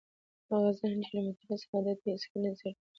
هغه ذهن چې له مطالعې سره عادت وي هیڅکله نه زړېږي.